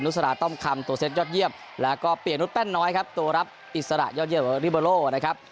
สราต้อมคำตัวเซ็ตยอดเยี่ยมแล้วก็เปลี่ยนนุษยแป้นน้อยครับตัวรับอิสระยอดเยี่ยมริโบโลนะครับ